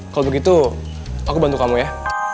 kalau begitu aku bantu kamu ya